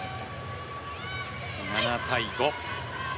７対５。